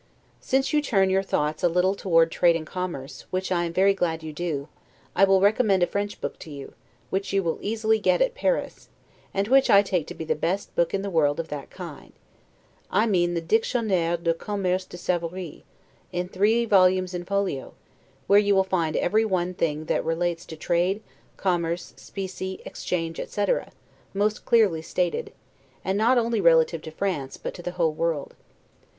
Since you turn your thoughts a little toward trade and commerce, which I am very glad you do, I will recommend a French book to you, which you will easily get at Paris, and which I take to be the best book in the world of that kind: I mean the 'Dictionnaire de Commerce de Savory', in three volumes in folio; where you will find every one thing that relates to trade, commerce, specie, exchange, etc., most clearly stated; and not only relative to France, but to the whole world.